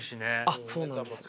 あっそうなんですか。